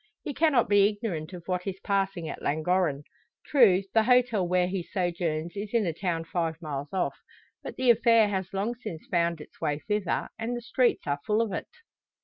He cannot be ignorant of what is passing at Llangorren. True, the hotel where he sojourns is in a town five miles off; but the affair has long since found its way thither, and the streets are full of it.